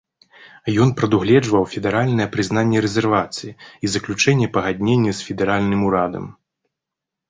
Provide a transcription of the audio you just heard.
Ён прадугледжваў федэральнае прызнанне рэзервацыі і заключэнне пагаднення з федэральным урадам.